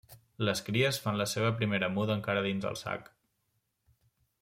Les cries fan la seva primera muda encara dins el sac.